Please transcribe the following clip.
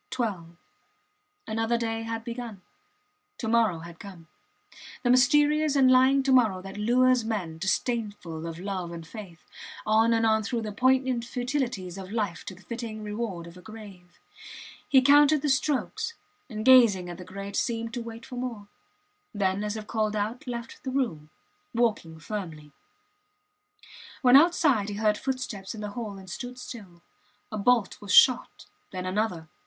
Twelve. Another day had begun. To morrow had come; the mysterious and lying to morrow that lures men, disdainful of love and faith, on and on through the poignant futilities of life to the fitting reward of a grave. He counted the strokes, and gazing at the grate seemed to wait for more. Then, as if called out, left the room, walking firmly. When outside he heard footsteps in the hall and stood still. A bolt was shot then another.